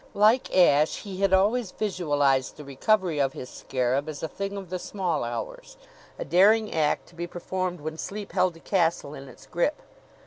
Like Ashe, he had always visualized the recovery of his scarab as a thing of the small hours, a daring act to be performed when sleep held the castle in its grip.